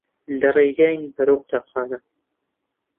لە ڕێگاین بەرەو قوتابخانە.